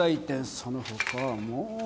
その他はもう。